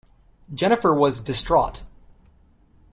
Jennifer was distraught.